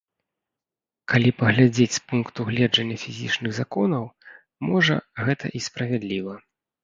Калі паглядзець з пункту гледжання фізічных законаў, можа, гэта і справядліва.